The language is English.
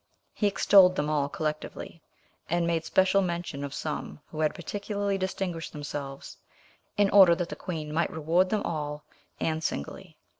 He extolled them all collectively, and made special mention of some who had particularly distinguished themselves, in order that the queen might reward them all and singly.